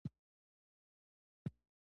بدخشان د افغانانو د ګټورتیا برخه ده.